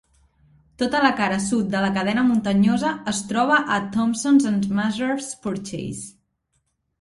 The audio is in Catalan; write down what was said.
Tota la cara sud de la cadena muntanyosa es troba a Thompson and Meserve's Purchase.